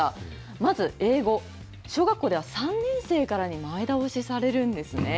まず英語、小学校では３年生からに前倒しされるんですね。